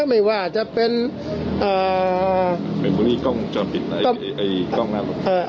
ไม่ว่าจะเป็นเอ่อเหมือนพวกนี้กล้องจอดปิดนะไอไอกล้องน้ำ